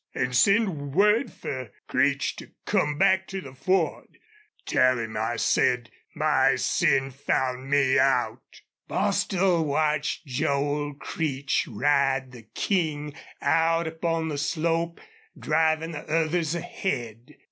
An' send word fer Creech to come back to the Ford.... Tell him I said my sin found me out!" Bostil watched Joel Creech ride the King out upon the slope, driving the others ahead.